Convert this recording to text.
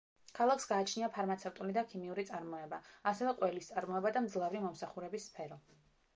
ქალაქს გააჩნია ფარმაცევტული და ქიმიური წარმოება, ასევე ყველის წარმოება და მძლავრი მომსახურების სფერო.